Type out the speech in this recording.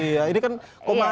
iya ini kan komandan